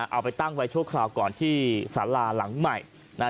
เอาไปตั้งไว้ชั่วคราวก่อนที่สาราหลังใหม่นะฮะ